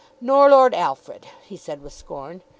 "Nor Lord Alfred," he said with scorn.